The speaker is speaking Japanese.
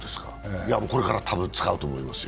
これから多分使うと思いますよ。